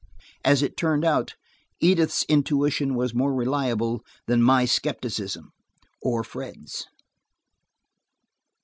As it turned out, Edith's intuition was more reliable than my skepticism,–or Fred's.